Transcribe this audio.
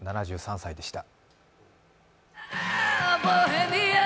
７３歳でした。